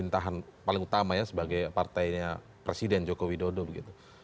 yang berada di partai pemerintahan paling utama ya sebagai partainya presiden joko widodo begitu